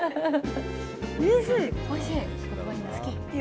おいしい！